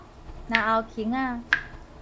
嚨喉框仔